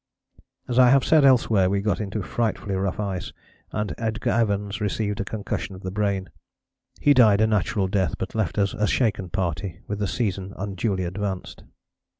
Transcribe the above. As I have said elsewhere, we got into frightfully rough ice and Edgar Evans received a concussion of the brain he died a natural death, but left us a shaken party with the season unduly advanced.